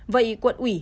vậy quận ủy